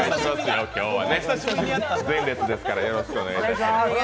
今日は前列ですからねよろしくお願いしますよ。